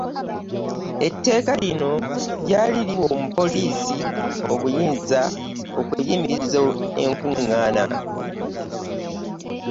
Etteeka lino lyali liwa omupoliisi obuyinza okuyimiriza enkungaana